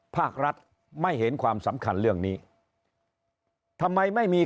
ภาครัฐไม่เห็นความสำคัญเรื่องนี้ทำไมไม่มี